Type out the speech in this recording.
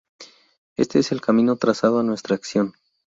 Este es el camino trazado a nuestra acción".